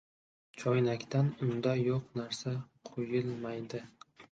• Choynakdan unda yo‘q narsa quyilmaydi.